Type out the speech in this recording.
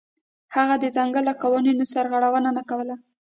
هغه د ځنګل له قوانینو سرغړونه نه کوله.